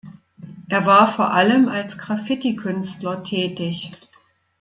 Er war vor allem als Graffiti-Künstler tätig.